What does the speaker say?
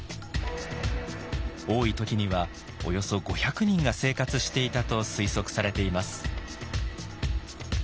多い時にはおよそ５００人が生活していたと推測されています。